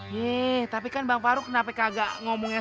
yeeh tapi kan bang faru kenapa kagak ngomongin itu